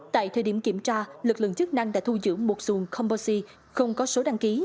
tại thời điểm kiểm tra lực lượng chức năng đã thu giữ một dùng composite không có số đăng ký